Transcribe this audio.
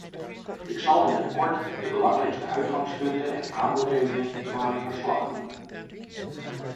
Ik zal in het kort de belangrijkste uitgangspunten en aanbevelingen van mijn verslag noemen.